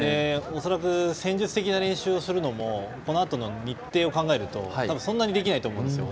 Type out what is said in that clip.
恐らく、戦術的な練習をするのもこのあとの日程を考えるとそんなにできないと思うんですよ。